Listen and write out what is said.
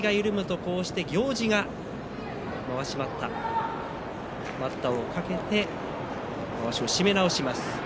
ここで行司がまわし待った待ったをかけてまわしを締め直します。